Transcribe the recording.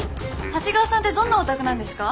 長谷川さんてどんなお宅なんですか？